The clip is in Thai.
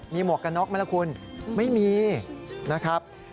มีหมวกกันน็อกไหมล่ะคุณไม่มีนะครับ